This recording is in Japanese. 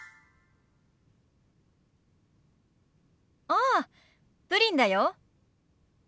ああプリンだよ。